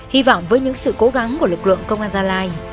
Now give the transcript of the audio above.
hy vọng với những sự cố gắng của lực lượng công an gia lai